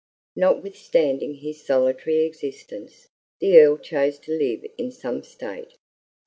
Notwithstanding his solitary existence, the Earl chose to live in some state.